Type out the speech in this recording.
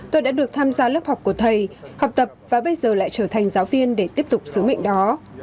tôi đã được tham gia lớp học của thầy học tập và bây giờ lại trở thành giáo viên để tiếp tục sứ mệnh đó